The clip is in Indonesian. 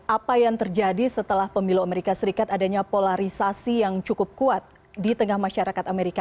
apa yang terjadi setelah pemilu amerika serikat adanya polarisasi yang cukup kuat di tengah masyarakat amerika